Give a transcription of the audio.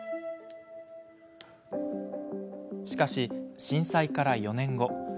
しかし、震災から４年後。